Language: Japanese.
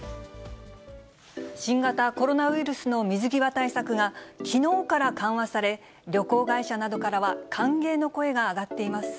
新型コロナウイルスの水際対策がきのうから緩和され、旅行会社などからは歓迎の声が上がっています。